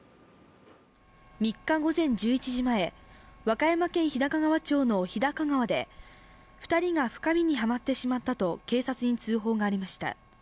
３日午前１１時前和歌山県日高川町の日高川で２人が深みにはまってしまったと警察に通報がありました。